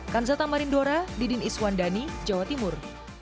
kanzata marindora didin iswandani jawa timur